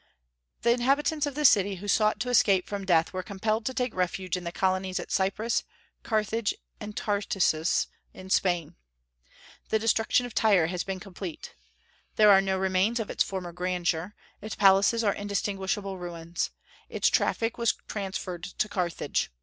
The inhabitants of the city who sought escape from death were compelled to take refuge in the colonies at Cyprus, Carthage, and Tartessus in Spain. The destruction of Tyre has been complete. There are no remains of its former grandeur; its palaces are indistinguishable ruins. Its traffic was transferred to Carthage.